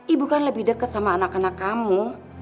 ibu kan lebih dekat sama anak anak kamu